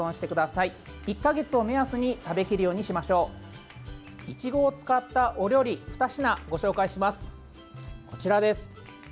いちごを使ったお料理ふた品、ご紹介します。